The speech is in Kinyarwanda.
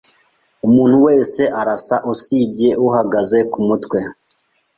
Umuntu wese arasa, usibye uhagaze kumutwe.